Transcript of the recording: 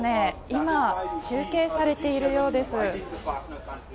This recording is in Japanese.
今、中継されているようです。